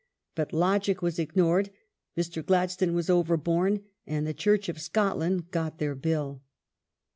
But logic was ignored, Mr. Gladstone was over borne and the Church of Scotland got their Bill.